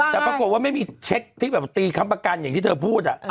แต่ปรากฏว่าไม่มีเช็คที่แบบตีค้ำประกันอย่างที่เธอพูด